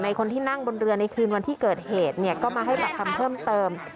คนที่นั่งบนเรือในคืนวันที่เกิดเหตุเนี่ยก็มาให้ปากคำเพิ่มเติม